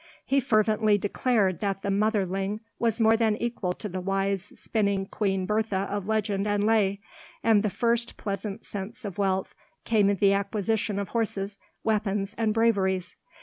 He fervently declared that the motherling was more than equal to the wise spinning Queen Bertha of legend and lay; and the first pleasant sense of wealth came in the acquisition of horses, weapons, and braveries.